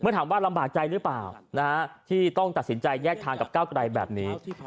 ถามว่าลำบากใจหรือเปล่าที่ต้องตัดสินใจแยกทางกับก้าวไกลแบบนี้